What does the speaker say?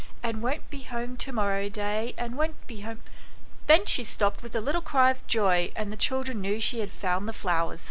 And won't be home to morrow day, And won't be home " Then she stopped with a little cry of joy, and the children knew she had found the flowers.